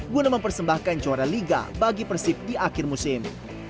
guna mempersembahkan juara liga bagi persib di akhir musim